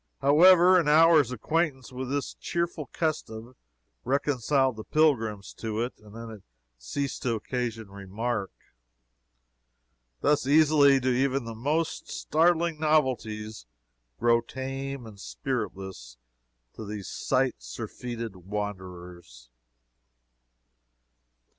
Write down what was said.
However, an hour's acquaintance with this cheerful custom reconciled the pilgrims to it, and then it ceased to occasion remark. Thus easily do even the most startling novelties grow tame and spiritless to these sight surfeited wanderers.